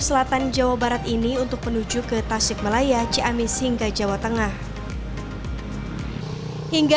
selatan jawa barat ini untuk menuju ke tasikmalaya ciamis hingga jawa tengah hingga